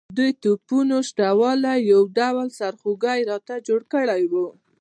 د دې توپونو شته والی یو ډول سرخوږی راته جوړ کړی وو.